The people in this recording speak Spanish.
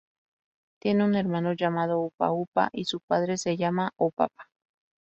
Tiene un hermano llamado Upa Upa, y su padre se llama O-Papa.